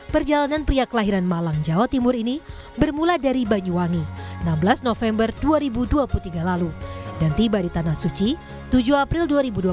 perjalanan pria kelahiran malang jawa timur ini bermula dari banyuwangi enam belas november dua ribu dua puluh tiga lalu dan tiba di tanah suci tujuh april dua ribu dua puluh